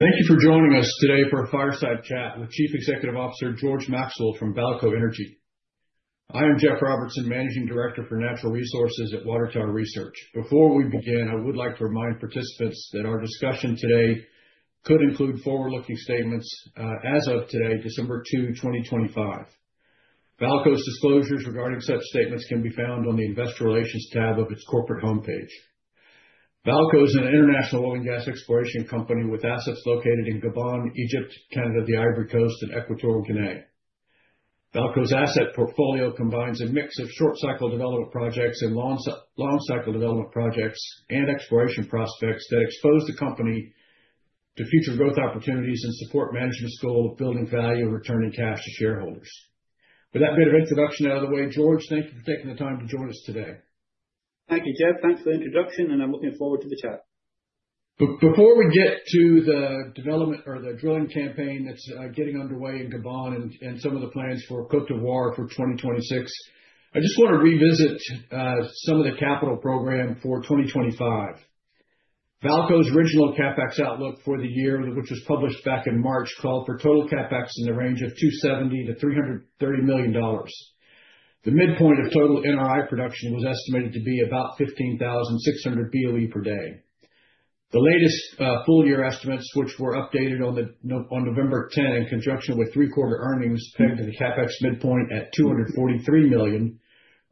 Thank you for joining us today for a fireside chat with Chief Executive Officer George Maxwell from VAALCO Energy. I am Jeff Robertson, Managing Director for Natural Resources at Water Tower Research. Before we begin, I would like to remind participants that our discussion today could include forward-looking statements as of today, December 2, 2025. VAALCO's disclosures regarding such statements can be found on the Investor Relations tab of its corporate homepage. VAALCO is an international oil and gas exploration company with assets located in Gabon, Egypt, Canada, the Ivory Coast, and Equatorial Guinea. VAALCO's asset portfolio combines a mix of short-cycle development projects and long-cycle development projects and exploration prospects that expose the company to future growth opportunities and support management's goal of building value and returning cash to shareholders. With that bit of introduction out of the way, George, thank you for taking the time to join us today. Thank you, Jeff. Thanks for the introduction, and I'm looking forward to the chat. Before we get to the development or the drilling campaign that's getting underway in Gabon and some of the plans for Côte d'Ivoire for 2026, I just want to revisit some of the capital program for 2025. VAALCO's original CapEx outlook for the year, which was published back in March, called for total CapEx in the range of $270-$330 million. The midpoint of total NRI production was estimated to be about 15,600 BOE per day. The latest full-year estimates, which were updated on November 10 in conjunction with third quarter earnings, pegged the CapEx midpoint at $243 million,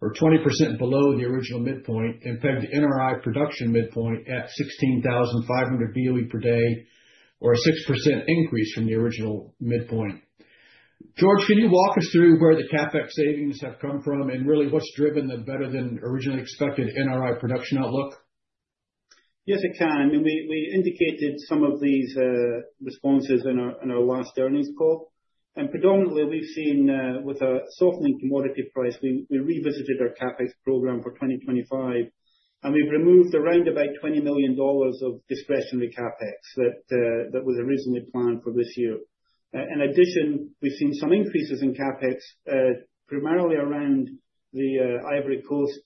or 20% below the original midpoint, and pegged the NRI production midpoint at 16,500 BOE per day, or a 6% increase from the original midpoint. George, can you walk us through where the CapEx savings have come from and really what's driven the better-than-originally-expected NRI production outlook? Yes, it can. I mean, we indicated some of these responses in our last earnings call, and predominantly we've seen, with a softening commodity price, we revisited our CapEx program for 2025, and we've removed around about $20 million of discretionary CapEx that was originally planned for this year. In addition, we've seen some increases in CapEx, primarily around the Ivory Coast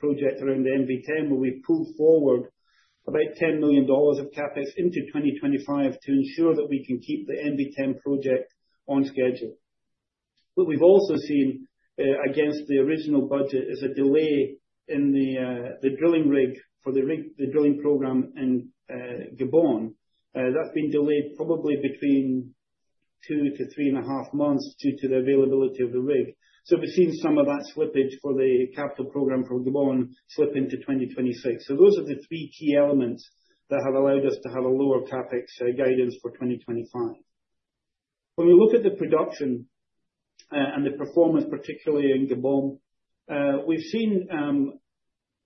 project around the MV10, where we've pulled forward about $10 million of CapEx into 2025 to ensure that we can keep the MV10 project on schedule, but we've also seen, against the original budget, a delay in the drilling rig for the drilling program in Gabon. That's been delayed probably between two to three and a half months due to the availability of the rig, so we've seen some of that slippage for the capital program for Gabon slip into 2026. Those are the three key elements that have allowed us to have a lower CapEx guidance for 2025. When we look at the production and the performance, particularly in Gabon, we've seen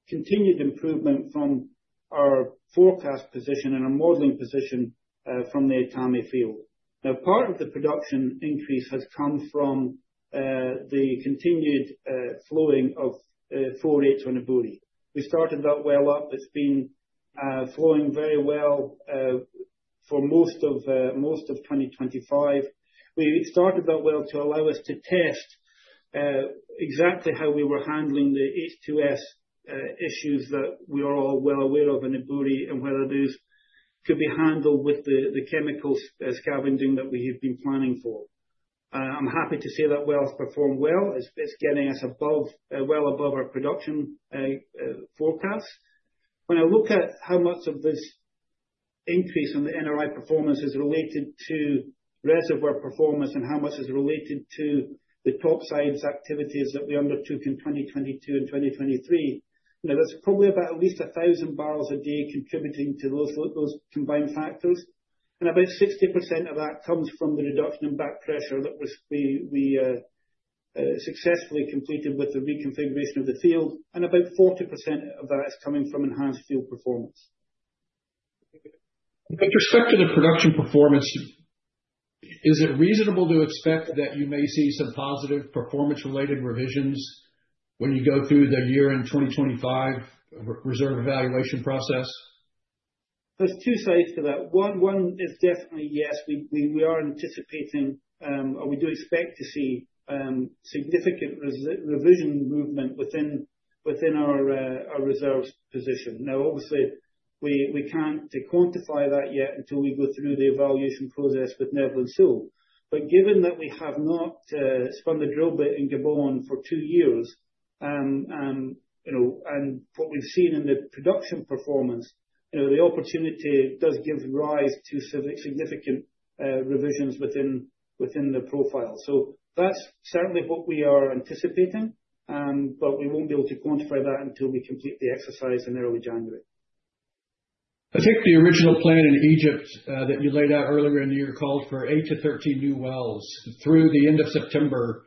continued improvement from our forecast position and our modeling position from the Etame field. Now, part of the production increase has come from the continued flowing of four-eighths on Ebouri. We started that well up. It's been flowing very well for most of 2025. We started that well to allow us to test exactly how we were handling the H2S issues that we are all well aware of in Ebouri and whether those could be handled with the chemical scavenging that we have been planning for. I'm happy to say that well has performed well. It's getting us well above our production forecasts. When I look at how much of this increase in the NRI performance is related to reservoir performance and how much is related to the top-sides activities that we undertook in 2022 and 2023, you know, that's probably about at least 1,000 barrels a day contributing to those combined factors. And about 60% of that comes from the reduction in back pressure that we successfully completed with the reconfiguration of the field. And about 40% of that is coming from enhanced field performance. With respect to the production performance, is it reasonable to expect that you may see some positive performance-related revisions when you go through the year-end 2025 reserve evaluation process? There's two sides to that. One is definitely yes. We are anticipating, or we do expect to see significant revision movement within our reserves position. Now, obviously, we can't quantify that yet until we go through the evaluation process with Netherland Sewell. But given that we have not spun the drill bit in Gabon for two years, and what we've seen in the production performance, you know, the opportunity does give rise to significant revisions within the profile. So that's certainly what we are anticipating, but we won't be able to quantify that until we complete the exercise in early January. I think the original plan in Egypt that you laid out earlier in the year called for eight to 13 new wells. Through the end of September,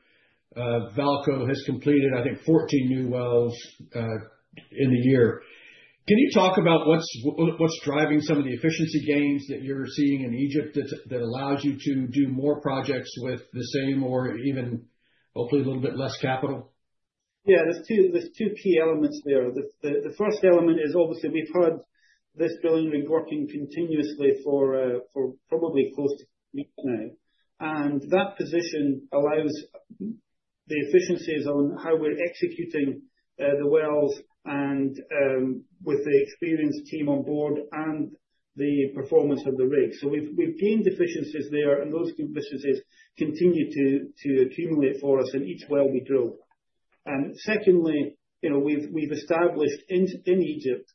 VAALCO has completed, I think, 14 new wells in the year. Can you talk about what's driving some of the efficiency gains that you're seeing in Egypt that allows you to do more projects with the same or even hopefully a little bit less capital? Yeah, there's two key elements there. The first element is, obviously, we've had this drilling rig working continuously for probably close to a week now. And that position allows the efficiencies on how we're executing the wells and with the experienced team on board and the performance of the rig. So we've gained efficiencies there, and those efficiencies continue to accumulate for us in each well we drill. And secondly, you know, we've established in Egypt,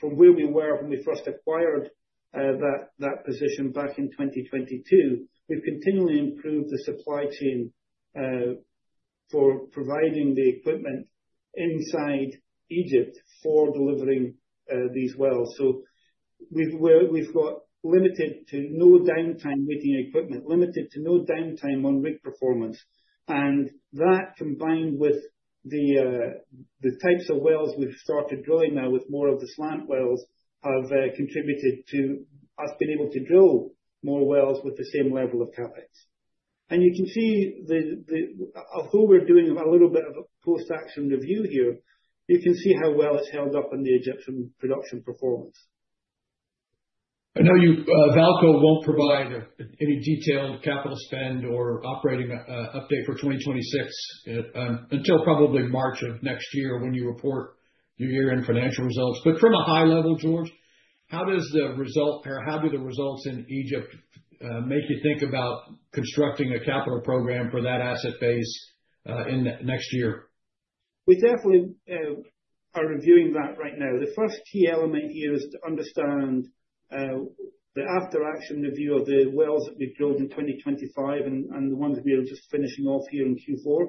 from where we were when we first acquired that position back in 2022, we've continually improved the supply chain for providing the equipment inside Egypt for delivering these wells. So we've got limited to no downtime with the equipment, limited to no downtime on rig performance. And that, combined with the types of wells we've started drilling now with more of the slant wells, has contributed to us being able to drill more wells with the same level of CapEx. And you can see, although we're doing a little bit of a post-action review here, you can see how well it's held up in the Egyptian production performance. I know VAALCO won't provide any detailed capital spend or operating update for 2026 until probably March of next year when you report your year-end financial results. But from a high level, George, how does the result, or how do the results in Egypt make you think about constructing a capital program for that asset base in next year? We definitely are reviewing that right now. The first key element here is to understand the after-action review of the wells that we've drilled in 2025 and the ones we are just finishing off here in Q4,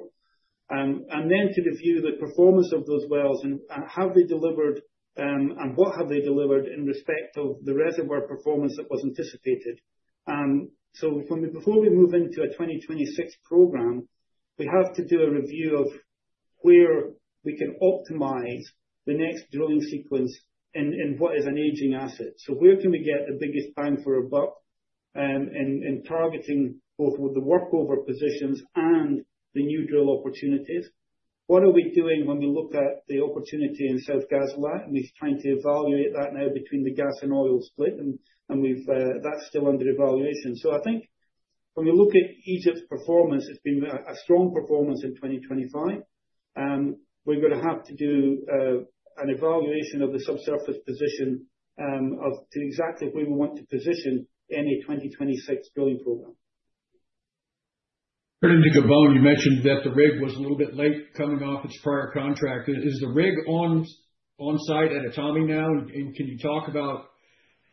and then to review the performance of those wells and how they delivered and what have they delivered in respect of the reservoir performance that was anticipated. So before we move into a 2026 program, we have to do a review of where we can optimize the next drilling sequence in what is an aging asset. So where can we get the biggest bang for our buck in targeting both with the workover positions and the new drill opportunities? What are we doing when we look at the opportunity in SEENT? And we've tried to evaluate that now between the gas and oil split, and that's still under evaluation. I think when we look at Egypt's performance, it's been a strong performance in 2025. We're going to have to do an evaluation of the subsurface position to exactly where we want to position any 2026 drilling program. Earlier in Gabon, you mentioned that the rig was a little bit late coming off its prior contract. Is the rig on site at Etame now? And can you talk about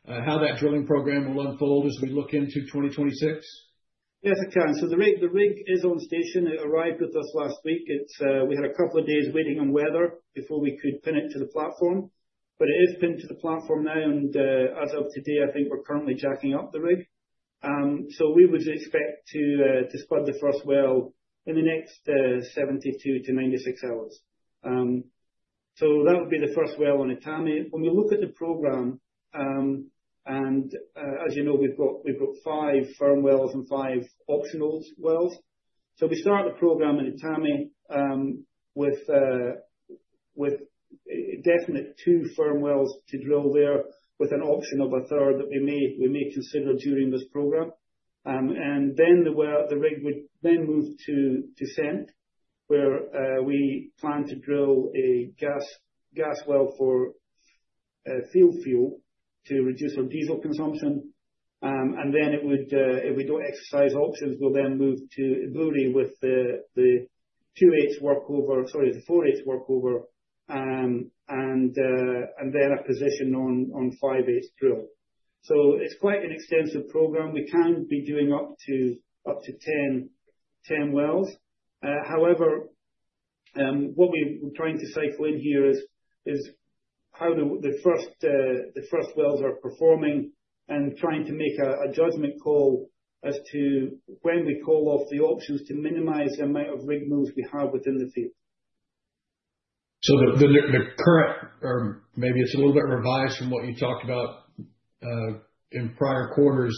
how that drilling program will unfold as we look into 2026? Yes, it can. So the rig is on station. It arrived with us last week. We had a couple of days waiting on weather before we could pin it to the platform. But it is pinned to the platform now. And as of today, I think we're currently jacking up the rig. So we would expect to spud the first well in the next 72-96 hours. So that would be the first well on Etame. When we look at the program, and as you know, we've got five firm wells and five optional wells. So we start the program in Etame with definite two firm wells to drill there with an option of a third that we may consider during this program. And then the rig would then move to SEENT, where we plan to drill a gas well for field fuel to reduce our diesel consumption. Then if we don't exercise options, we'll then move to Ebouri with the two-eighths workover, sorry, the four-eighths workover, and then a position on five-eighths drill. So it's quite an extensive program. We can be doing up to 10 wells. However, what we're trying to cycle in here is how the first wells are performing and trying to make a judgment call as to when we call off the options to minimize the amount of rig moves we have within the field. So the current, or maybe it's a little bit revised from what you talked about in prior quarters,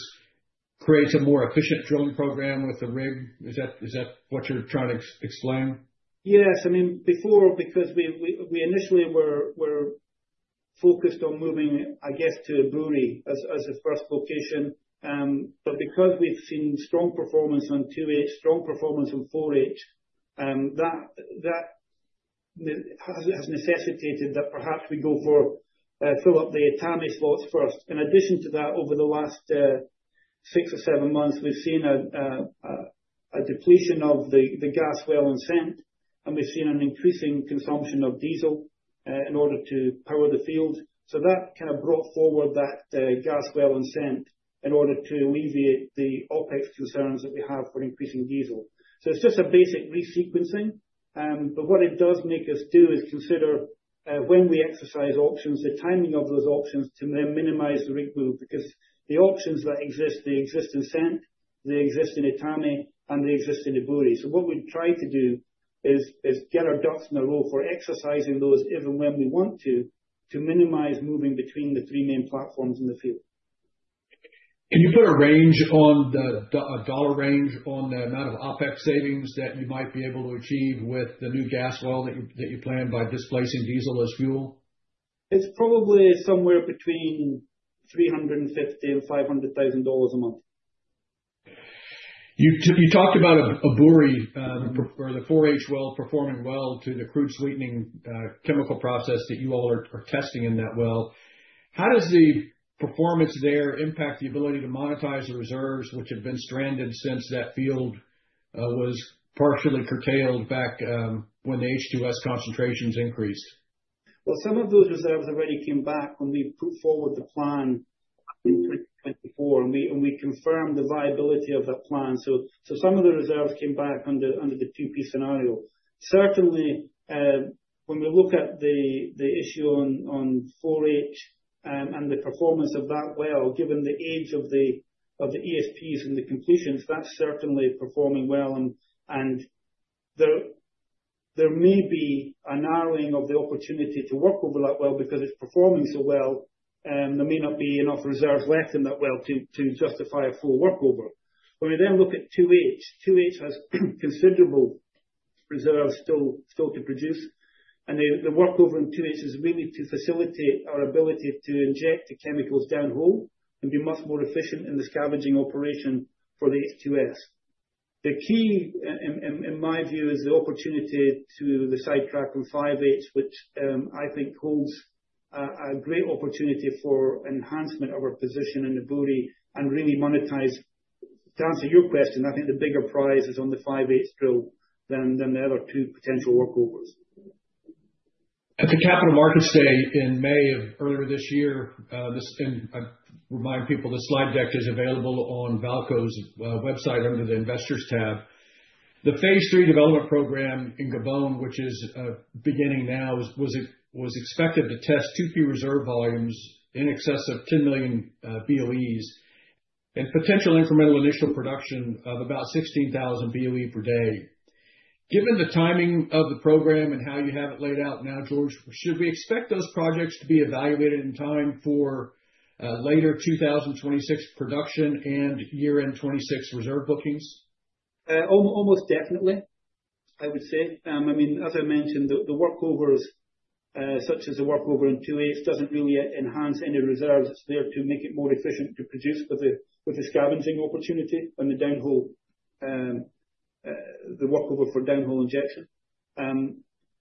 creates a more efficient drilling program with the rig. Is that what you're trying to explain? Yes. I mean, before, because we initially were focused on moving, I guess, to Ebouri as a first location. But because we've seen strong performance on two-eighths, strong performance on four-eighths, that has necessitated that perhaps we go for, fill up the Etame slots first. In addition to that, over the last six or seven months, we've seen a depletion of the gas well in SEENT, and we've seen an increasing consumption of diesel in order to power the field. So that kind of brought forward that gas well in SEENT in order to alleviate the OpEx concerns that we have for increasing diesel. So it's just a basic re-sequencing. But what it does make us do is consider when we exercise options, the timing of those options to then minimize the rig move, because the options that exist, they exist in SEENT, they exist in Etame, and they exist in Ebouri. So what we'd try to do is get our ducks in a row for exercising those even when we want to, to minimize moving between the three main platforms in the field. Can you put a range on, a dollar range on the amount of OpEx savings that you might be able to achieve with the new gas well that you plan by displacing diesel as fuel? It's probably somewhere between $350,000-$500,000 a month. You talked about Ebouri, or the four-eighths well performing well to the crude sweetening chemical process that you all are testing in that well. How does the performance there impact the ability to monetize the reserves, which have been stranded since that field was partially curtailed back when the H2S concentrations increased? Some of those reserves already came back when we put forward the plan in 2024, and we confirmed the viability of that plan. Some of the reserves came back under the 2P scenario. Certainly, when we look at the issue on four-eighths and the performance of that well, given the age of the ESPs and the completions, that's certainly performing well. There may be a narrowing of the opportunity to work over that well because it's performing so well. There may not be enough reserves left in that well to justify a full workover. When we then look at two-eighths, two-eighths has considerable reserves still to produce. The workover in two-eighths is really to facilitate our ability to inject the chemicals downhole and be much more efficient in the scavenging operation for the H2S. The key, in my view, is the opportunity to the sidetrack on five-eighths, which I think holds a great opportunity for enhancement of our position in Ebouri and really monetize. To answer your question, I think the bigger prize is on the five-eighths drill than the other two potential workovers. At the capital markets day in May of earlier this year, and I remind people, the slide deck is available on VAALCO's website under the investors tab. The phase III development program in Gabon, which is beginning now, was expected to test 2P reserve volumes in excess of 10 million BOEs and potential incremental initial production of about 16,000 BOE per day. Given the timing of the program and how you have it laid out now, George, should we expect those projects to be evaluated in time for later 2026 production and year-end 2026 reserve bookings? Almost definitely, I would say. I mean, as I mentioned, the workovers, such as the workover in two-eighths, doesn't really enhance any reserves. It's there to make it more efficient to produce with the scavenging opportunity and the down hole, the workover for down hole injection.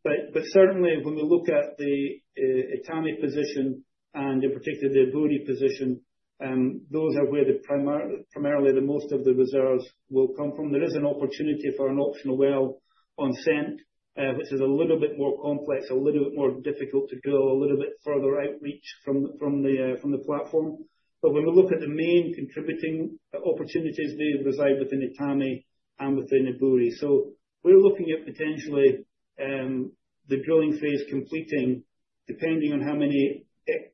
But certainly, when we look at the Etame position and in particular the Ebouri position, those are where primarily the most of the reserves will come from. There is an opportunity for an optional well on SEENT, which is a little bit more complex, a little bit more difficult to drill, a little bit further outreach from the platform. But when we look at the main contributing opportunities, they reside within Etame and within Ebouri. So we're looking at potentially the drilling phase completing, depending on how many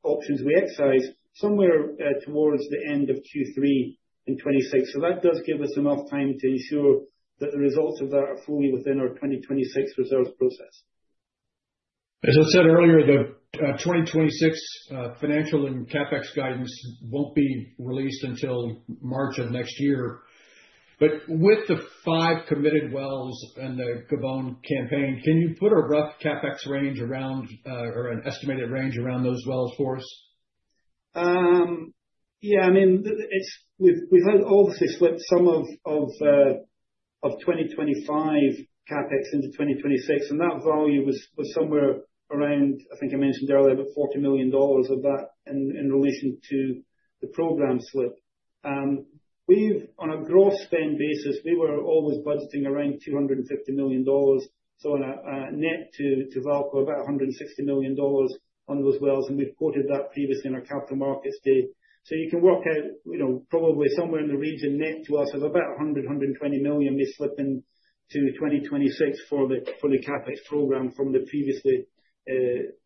options we exercise, somewhere towards the end of Q3 in 2026. So that does give us enough time to ensure that the results of that are fully within our 2026 reserves process. As I said earlier, the 2026 financial and CapEx guidance won't be released until March of next year. But with the five committed wells and the Gabon campaign, can you put a rough CapEx range around, or an estimated range around those wells for us? Yeah, I mean, we've had obviously split some of 2025 CapEx into 2026, and that volume was somewhere around, I think I mentioned earlier, about $40 million of that in relation to the program slip. On a gross spend basis, we were always budgeting around $250 million. So net to VAALCO, about $160 million on those wells. And we've quoted that previously in our capital markets day. So you can work out probably somewhere in the region, net to us, of about $100 million-$120 million we slip into 2026 for the CapEx program from the previously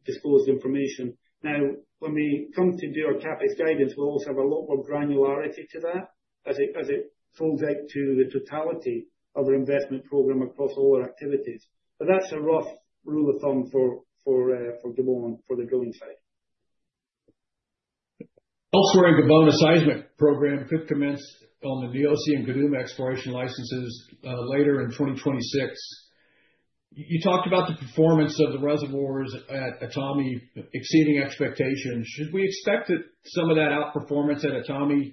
disclosed information. Now, when we come to do our CapEx guidance, we'll also have a lot more granularity to that as it folds out to the totality of our investment program across all our activities. But that's a rough rule of thumb for Gabon, for the drilling side. Elsewhere, Gabon's seismic program could commence on the Niosi and Guduma exploration licenses later in 2026. You talked about the performance of the reservoirs at Etame exceeding expectations. Should we expect that some of that outperformance at Etame and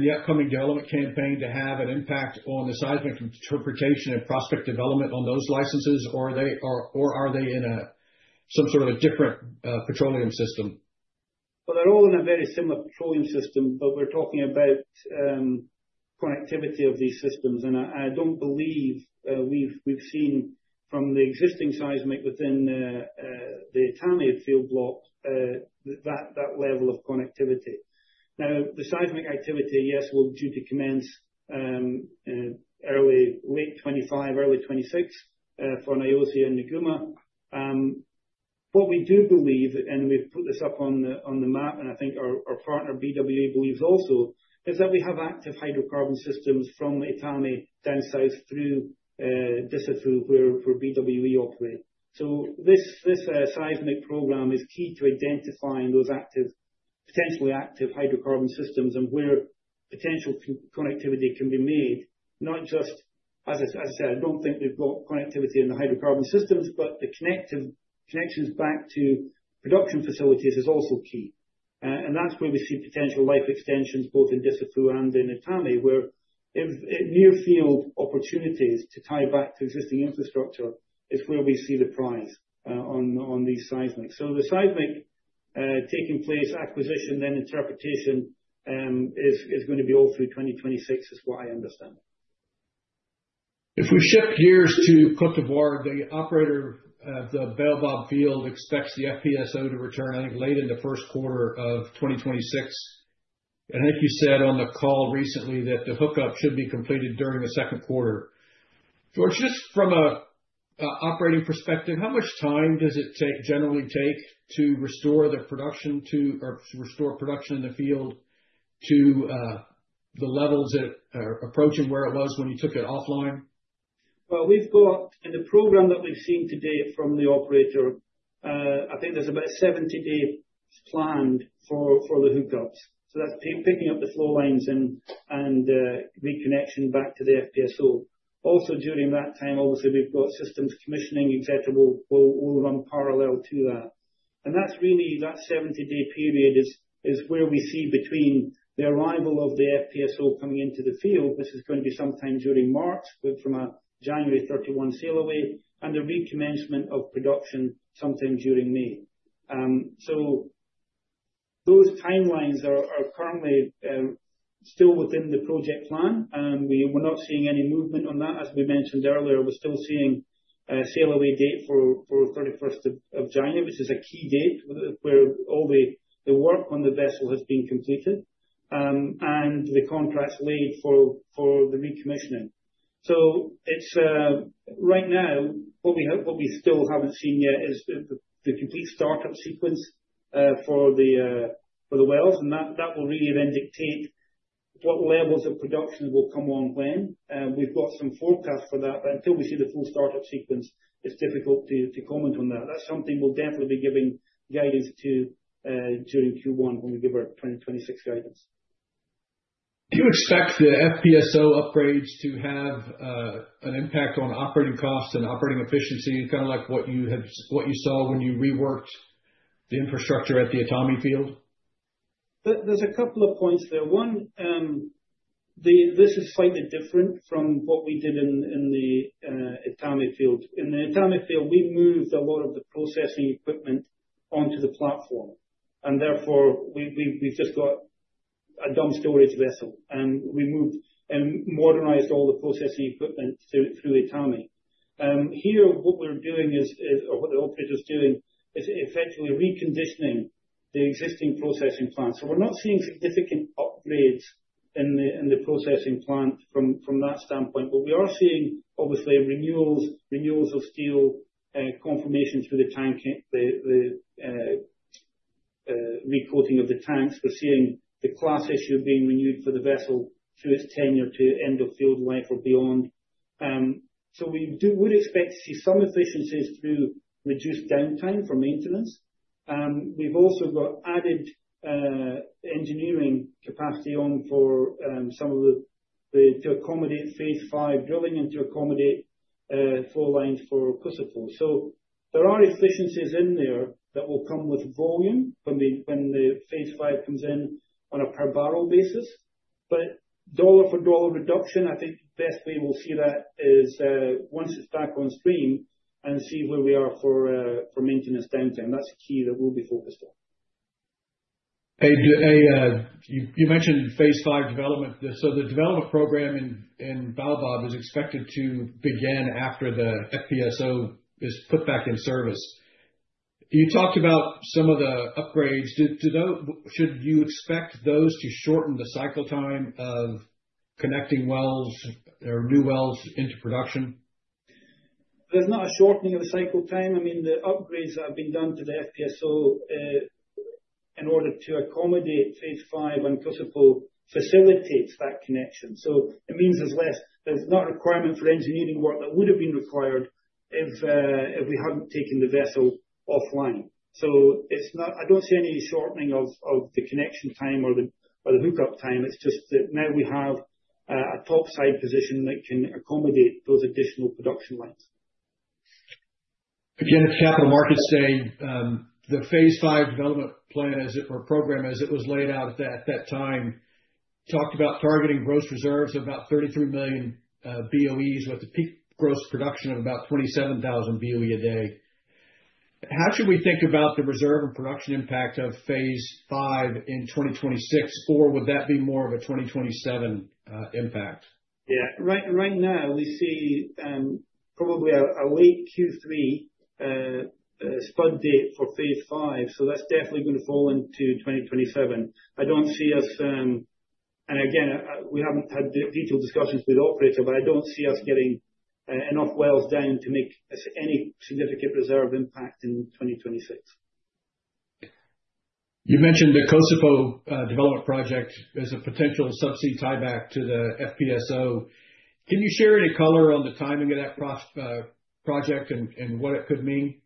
the upcoming development campaign to have an impact on the seismic interpretation and prospect development on those licenses, or are they in some sort of a different petroleum system? They're all in a very similar petroleum system, but we're talking about connectivity of these systems. And I don't believe we've seen from the existing seismic within the Etame field block that level of connectivity. Now, the seismic activity, yes, is due to commence early, late 2025, early 2026 for Niosi and Guduma. What we do believe, and we've put this up on the map, and I think our partner BWE believes also, is that we have active hydrocarbon systems from Etame down south through Dussafu where BWE operates. So this seismic program is key to identifying those potentially active hydrocarbon systems and where potential connectivity can be made, not just, as I said, I don't think we've got connectivity in the hydrocarbon systems, but the connections back to production facilities is also key. That's where we see potential life extensions both in Dussafu and in Etame, where near-field opportunities to tie back to existing infrastructure is where we see the prize on these seismics. So the seismic taking place, acquisition, then interpretation is going to be all through 2026, is what I understand. If we shift gears to Côte d'Ivoire, the operator of the Baobab field expects the FPSO to return, I think, late in the first quarter of 2026. I think you said on the call recently that the hookup should be completed during the second quarter. George, just from an operating perspective, how much time does it generally take to restore the production to, or restore production in the field to the levels approaching where it was when you took it offline? We've got in the program that we've seen today from the operator. I think there's about a 70-day plan for the hookups. So that's picking up the flow lines and reconnection back to the FPSO. Also, during that time, obviously, we've got systems commissioning, et cetera, will run parallel to that. That's really, that 70-day period is where we see between the arrival of the FPSO coming into the field, which is going to be sometime during March, from a January 31 sailaway, and the recommencement of production sometime during May. Those timelines are currently still within the project plan. We're not seeing any movement on that. As we mentioned earlier, we're still seeing a sailaway date for 31st of January, which is a key date where all the work on the vessel has been completed and the contracts laid for the recommissioning. Right now, what we still haven't seen yet is the complete startup sequence for the wells. That will really then dictate what levels of production will come on when. We've got some forecast for that, but until we see the full startup sequence, it's difficult to comment on that. That's something we'll definitely be giving guidance to during Q1 when we give our 2026 guidance. Do you expect the FPSO upgrades to have an impact on operating costs and operating efficiency, kind of like what you saw when you reworked the infrastructure at the Etame field? There's a couple of points there. One, this is slightly different from what we did in the Etame field. In the Etame field, we moved a lot of the processing equipment onto the platform. And therefore, we've just got a dumb storage vessel. And we moved and modernized all the processing equipment through Etame. Here, what we're doing is, or what the operator's doing is effectively reconditioning the existing processing plant. So we're not seeing significant upgrades in the processing plant from that standpoint. But we are seeing, obviously, renewals of steel, confirmation through the recoating of the tanks. We're seeing the class issue being renewed for the vessel through its tenure to end of field life or beyond. So we would expect to see some efficiencies through reduced downtime for maintenance. We've also got added engineering capacity on for some of the to accommodate phase V drilling and to accommodate flowlines for Côte d'Ivoire. So there are efficiencies in there that will come with volume when the phase V comes in on a per barrel basis. But dollar-for-dollar reduction, I think the best way we'll see that is once it's back on stream and see where we are for maintenance downtime. That's a key that we'll be focused on. You mentioned phase V development. So the development program in Baobab is expected to begin after the FPSO is put back in service. You talked about some of the upgrades. Should you expect those to shorten the cycle time of connecting wells or new wells into production? There's not a shortening of the cycle time. I mean, the upgrades have been done to the FPSO in order to accommodate phase V when Côte d'Ivoire facilitates that connection. So it means there's not a requirement for engineering work that would have been required if we hadn't taken the vessel offline. So I don't see any shortening of the connection time or the hookup time. It's just that now we have a topside position that can accommodate those additional production lines. Again, it's capital markets day. The phase V development plan, or program, as it was laid out at that time, talked about targeting gross reserves of about 33 million BOEs with a peak gross production of about 27,000 BOE a day. How should we think about the reserve and production impact of phase V in 2026, or would that be more of a 2027 impact? Yeah. Right now, we see probably a late Q3 spud date for phase V. So that's definitely going to fall into 2027. I don't see us, and again, we haven't had detailed discussions with the operator, but I don't see us getting enough wells down to make any significant reserve impact in 2026. You mentioned the Côte d'Ivoire development project as a potential subsea tieback to the FPSO. Can you share any color on the timing of that project and what it could mean?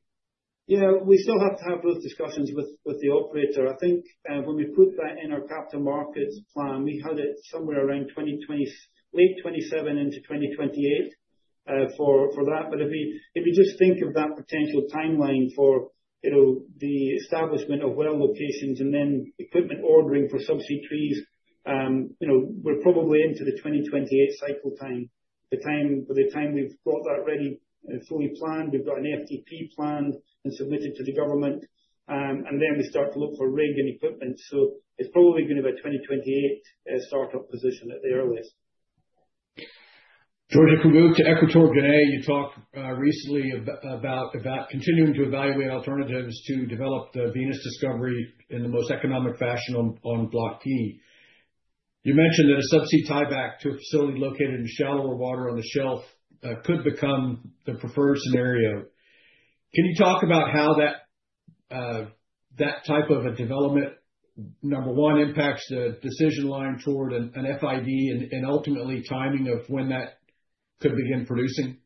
Yeah, we still have to have those discussions with the operator. I think when we put that in our capital markets plan, we had it somewhere around late 2027 into 2028 for that. But if you just think of that potential timeline for the establishment of well locations and then equipment ordering for subsea trees, we're probably into the 2028 cycle time. By the time we've got that ready and fully planned, we've got an FTP planned and submitted to the government, and then we start to look for rig and equipment. So it's probably going to be a 2028 startup position at the earliest. George, if we move to Equatorial Guinea, you talked recently about continuing to evaluate alternatives to develop the Venus discovery in the most economic fashion on Block P. You mentioned that a subsea tieback to a facility located in shallower water on the shelf could become the preferred scenario. Can you talk about how that type of a development, number one, impacts the decision line toward an FID and ultimately timing of when that could begin producing?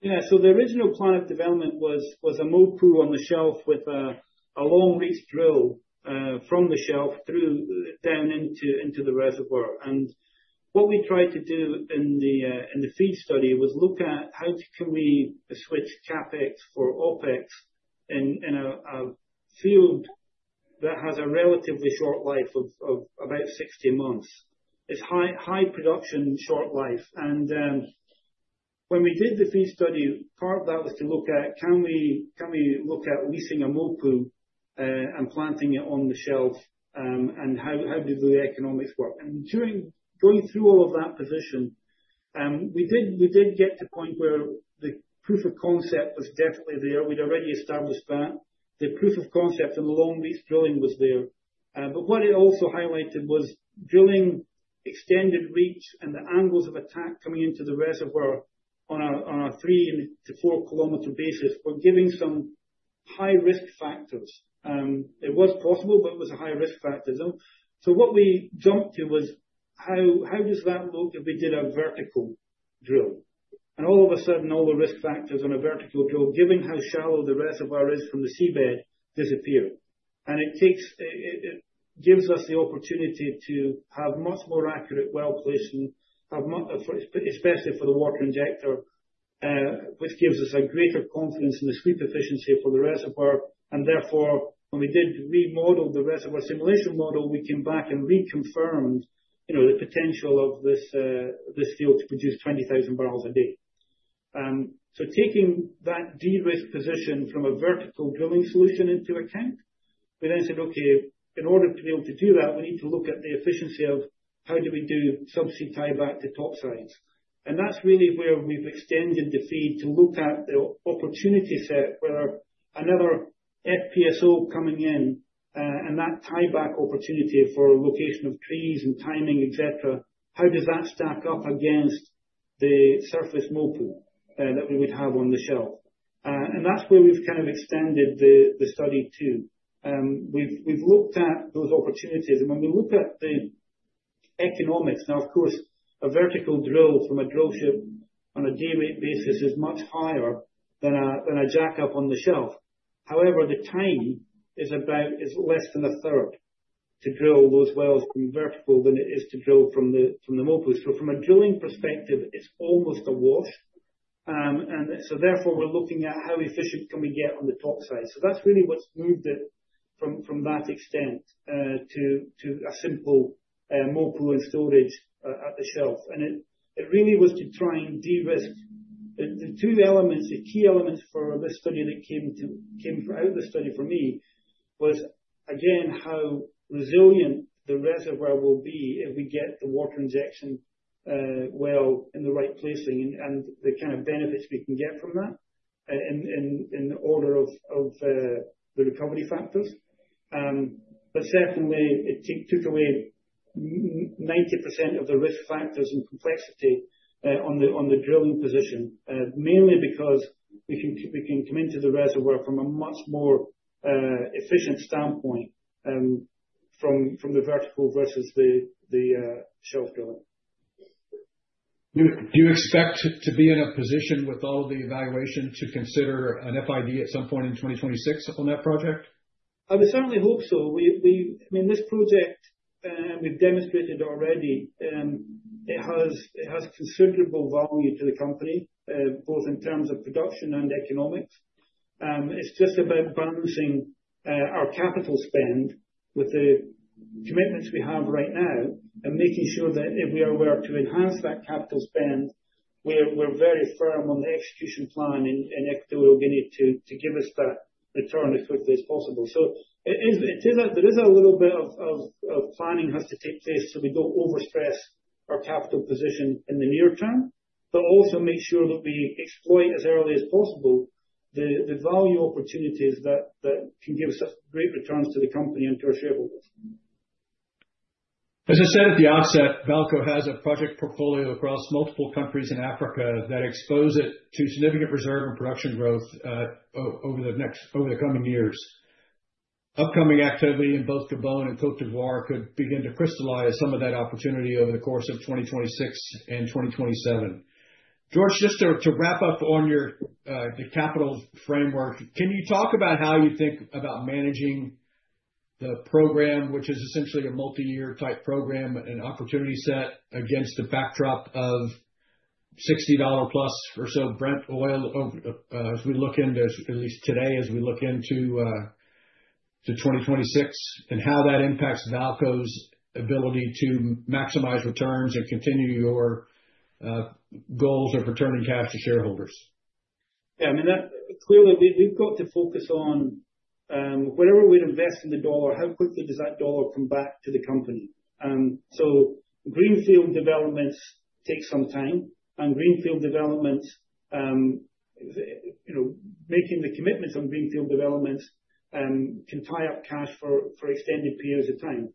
Yeah. So the original plan of development was a move crew on the shelf with a long reach drill from the shelf down into the reservoir. And what we tried to do in the feed study was look at how can we switch CapEx for OpEx in a field that has a relatively short life of about 60 months. It's high production, short life. And when we did the feed study, part of that was to look at can we look at leasing a move crew and planting it on the shelf, and how do the economics work. And going through all of that position, we did get to a point where the proof of concept was definitely there. We'd already established that. The proof of concept and the long reach drilling was there. But what it also highlighted was drilling, extended reach, and the angles of attack coming into the reservoir on a three-to-four-kilometer basis were giving some high risk factors. It was possible, but it was a high risk factor. So what we jumped to was how does that look if we did a vertical drill? And all of a sudden, all the risk factors on a vertical drill, given how shallow the reservoir is from the seabed, disappeared. And it gives us the opportunity to have much more accurate well placement, especially for the water injector, which gives us a greater confidence in the sweep efficiency for the reservoir. And therefore, when we did remodel the reservoir simulation model, we came back and reconfirmed the potential of this field to produce 20,000 barrels a day. So, taking that de-risk position from a vertical drilling solution into account, we then said, okay, in order to be able to do that, we need to look at the efficiency of how do we do subsea tieback to topsides. And that's really where we've extended the FEED to look at the opportunity set where another FPSO coming in and that tieback opportunity for location of trees and timing, et cetera, how does that stack up against the surface MOPU that we would have on the shelf? And that's where we've kind of extended the study too. We've looked at those opportunities. And when we look at the economics, now, of course, a vertical drill from a drill ship on a day rate basis is much higher than a jack-up on the shelf. However, the time is less than a third to drill those wells from vertical than it is to drill from the MOPU. So from a drilling perspective, it's almost a wash. And so therefore, we're looking at how efficient can we get on the topside. So that's really what's moved it from that extent to a simple MOPU and storage at the shelf. And it really was to try and de-risk the two elements, the key elements for this study that came out of the study for me was, again, how resilient the reservoir will be if we get the water injection well in the right place and the kind of benefits we can get from that in the order of the recovery factors. But secondly, it took away 90% of the risk factors and complexity on the drilling position, mainly because we can come into the reservoir from a much more efficient standpoint from the vertical versus the shelf drilling. Do you expect to be in a position with all of the evaluation to consider an FID at some point in 2026 on that project? I would certainly hope so. I mean, this project we've demonstrated already, it has considerable value to the company, both in terms of production and economics. It's just about balancing our capital spend with the commitments we have right now and making sure that if we are aware to enhance that capital spend, we're very firm on the execution plan in Equatorial Guinea to give us that return as quickly as possible. So there is a little bit of planning has to take place so we don't overstress our capital position in the near term, but also make sure that we exploit as early as possible the value opportunities that can give us great returns to the company and to our shareholders. As I said at the outset, VAALCO has a project portfolio across multiple countries in Africa that expose it to significant reserve and production growth over the coming years. Upcoming activity in both Gabon and Côte d'Ivoire could begin to crystallize some of that opportunity over the course of 2026 and 2027. George, just to wrap up on your capital framework, can you talk about how you think about managing the program, which is essentially a multi-year type program, an opportunity set against the backdrop of $60 plus or so Brent oil as we look in, at least today as we look into 2026, and how that impacts VAALCO's ability to maximize returns and continue your goals of returning cash to shareholders? Yeah. I mean, clearly, we've got to focus on wherever we invest in the dollar, how quickly does that dollar come back to the company? So greenfield developments take some time. And greenfield developments, making the commitments on greenfield developments can tie up cash for extended periods of time.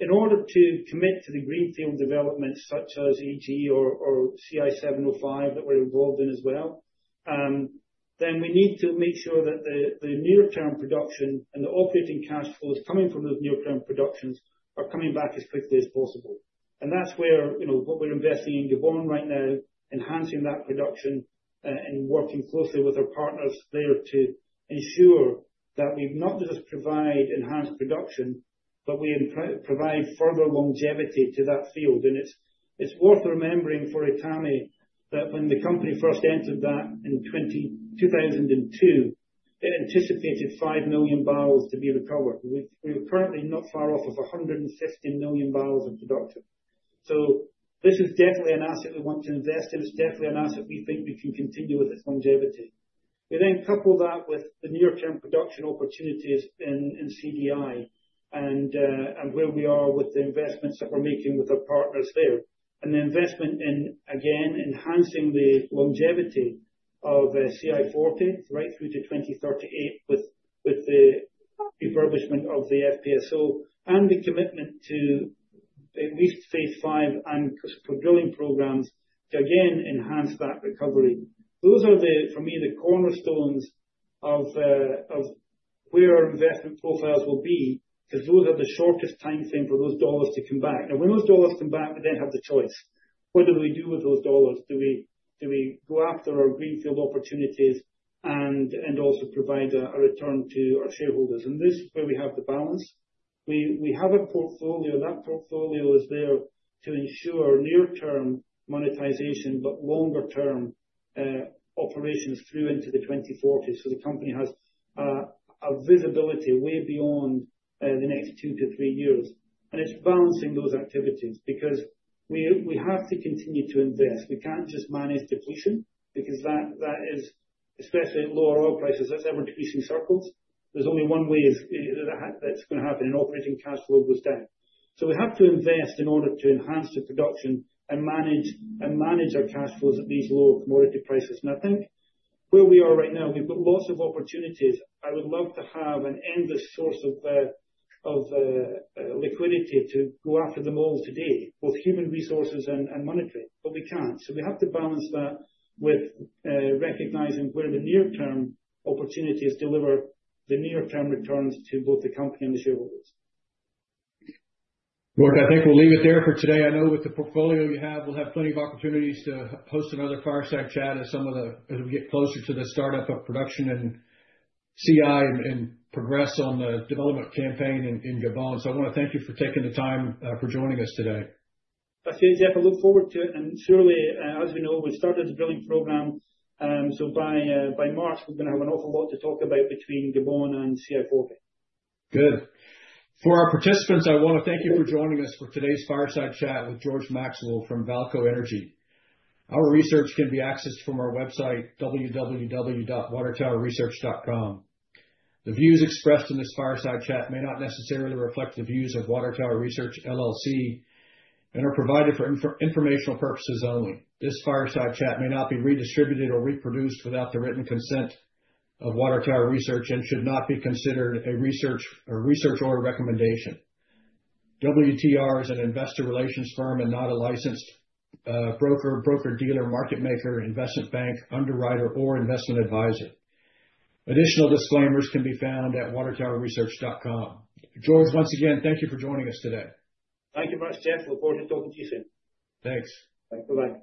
In order to commit to the greenfield developments such as EG or CI-705 that we're involved in as well, then we need to make sure that the near-term production and the operating cash flows coming from those near-term productions are coming back as quickly as possible. And that's where what we're investing in Gabon right now, enhancing that production and working closely with our partners there to ensure that we not just provide enhanced production, but we provide further longevity to that field. It's worth remembering for Etame that when the company first entered that in 2002, it anticipated five million barrels to be recovered. We're currently not far off of 150 million barrels of production. So this is definitely an asset we want to invest in. It's definitely an asset we think we can continue with its longevity. We then couple that with the near-term production opportunities in CDI and where we are with the investments that we're making with our partners there. And the investment in, again, enhancing the longevity of CI-40 right through to 2038 with the refurbishment of the FPSO and the commitment to at least phase V and drilling programs to, again, enhance that recovery. Those are, for me, the cornerstones of where our investment profiles will be because those are the shortest time frame for those dollars to come back. Now, when those dollars come back, we then have the choice. What do we do with those dollars? Do we go after our greenfield opportunities and also provide a return to our shareholders? And this is where we have the balance. We have a portfolio. That portfolio is there to ensure near-term monetization, but longer-term operations through into the 2040s. So the company has a visibility way beyond the next two to three years. And it's balancing those activities because we have to continue to invest. We can't just manage depletion because that is, especially at lower oil prices, that's ever-decreasing circles. There's only one way that's going to happen in operating cash flow goes down. So we have to invest in order to enhance the production and manage our cash flows at these lower commodity prices. And I think where we are right now, we've got lots of opportunities. I would love to have an endless source of liquidity to go after them all today, both human resources and monetary, but we can't. So we have to balance that with recognizing where the near-term opportunities deliver the near-term returns to both the company and the shareholders. George, I think we'll leave it there for today. I know with the portfolio you have, we'll have plenty of opportunities to host another Fireside Chat as we get closer to the startup of production in CI and progress on the development campaign in Gabon. So I want to thank you for taking the time for joining us today. I certainly definitely look forward to it. And surely, as we know, we started the drilling program. So by March, we're going to have an awful lot to talk about between Gabon and CI-40. Good. For our participants, I want to thank you for joining us for today's Fireside Chat with George Maxwell from VAALCO Energy. Our research can be accessed from our website, www.watertowerresearch.com. The views expressed in this Fireside Chat may not necessarily reflect the views of Water Tower Research, LLC, and are provided for informational purposes only. This Fireside Chat may not be redistributed or reproduced without the written consent of Water Tower Research and should not be considered a research or a recommendation. WTR is an investor relations firm and not a licensed broker, broker-dealer, market maker, investment bank, underwriter, or investment advisor. Additional disclaimers can be found at watertowerresearch.com. George, once again, thank you for joining us today. Thank you very much, Jeff. It was a pleasure talking to you, soon. Thanks. Thanks. Bye-bye.